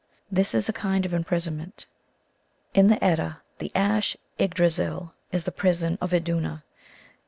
This is a kind of imprisonment. In the Eclda the Ash Yggdrasil is the prison of Iduna.